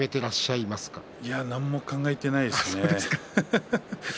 いや何も考えてないですね。